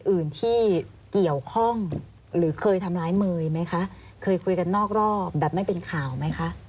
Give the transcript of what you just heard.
อื่นที่เกี่ยวข้องหรือเคยทำร้ายเมย์ไหมคะเคยคุยกันนอกรอบแบบไม่เป็นข่าวไหมคะ